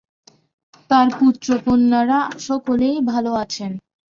তাঁর পুত্রকন্যারা সকলেই ভালো আছেন?